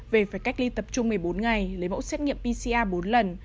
về phải cách ly tập trung một mươi bốn ngày lấy mẫu xét nghiệm pcr bốn lần